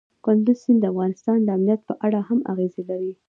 کندز سیند د افغانستان د امنیت په اړه هم اغېز لري.